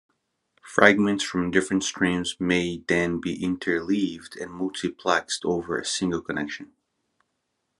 Fragments from different streams may then be interleaved, and multiplexed over a single connection.